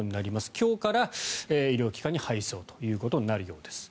今日から医療機関に配送ということになるようです。